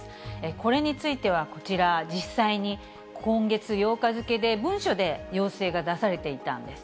これについては、こちら、実際に今月８日付で、文書で要請が出されていたんです。